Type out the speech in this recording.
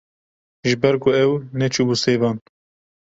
Ji ber ku ew neçûbû sêvan